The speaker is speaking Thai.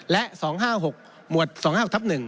และ๒๕๖หมวด๒๕๖ทับ๑